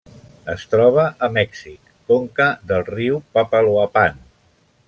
Es troba a Mèxic: conca del riu Papaloapán.